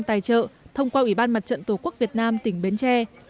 tài trợ thông qua ủy ban mặt trận tổ quốc việt nam tỉnh bến tre